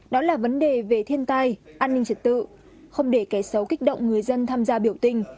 đó là vấn đề về thiên tai an ninh trật tự không để kẻ xấu kích động người dân tham gia biểu tình